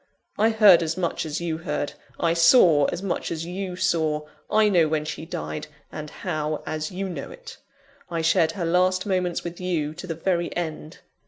_ I heard as much as you heard; I saw as much as you saw; I know when she died, and how, as you know it; I shared her last moments with you, to the very end.